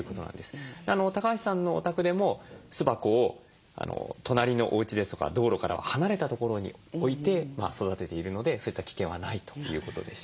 橋さんのお宅でも巣箱を隣のおうちですとか道路から離れた所に置いて育てているのでそういった危険はないということでした。